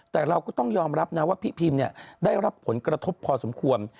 แต่เราก็ต้องยอมรับนะว่าพี่พิมได้รับผลกระทบพอสมควร